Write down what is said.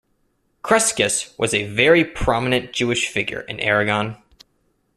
Crescas was a very prominent Jewish figure in Aragon.